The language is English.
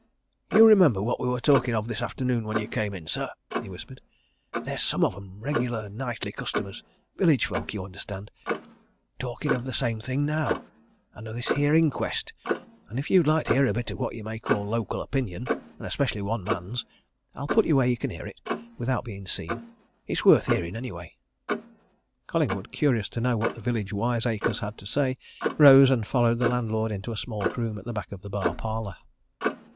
"You remember what we were talking of this afternoon when you come in, sir?" he whispered. "There's some of 'em regular nightly customers, village folk, you understand talking of the same thing now, and of this here inquest. And if you'd like to hear a bit of what you may call local opinion and especially one man's I'll put you where you can hear it, without being seen. It's worth hearing, anyway." Collingwood, curious to know what the village wiseacres had to say, rose, and followed the landlord into a small room at the back of the bar parlour.